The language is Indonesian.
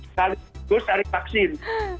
saya akan mencari vaksin